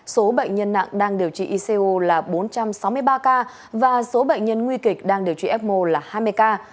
số bệnh nhân nặng đang điều trị icu là bốn trăm sáu mươi ba ca và số bệnh nhân nguy kịch đang điều trị ecmo là hai mươi ca